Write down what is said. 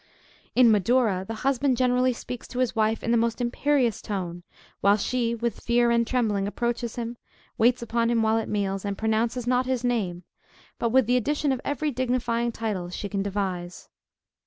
In Madura the husband generally speaks to his wife in the most imperious tone; while she with fear and trembling approaches him, waits upon him while at meals, and pronounces not his name, but with the addition of every dignifying title she can devise.